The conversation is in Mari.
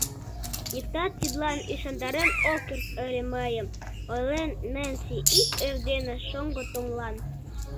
Иктат тидлан ӱшандарен ок керт ыле мыйым! — ойлен Ненси ик эрдене Шоҥго Томлан.